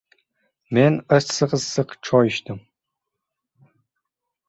Men issiq-issiq choy ichdim.